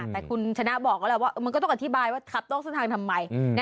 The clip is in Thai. แต่คุณชนะบอกแล้วแหละว่ามันก็ต้องอธิบายว่าขับนอกเส้นทางทำไม